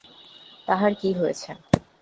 তাহার কি হয়েছে!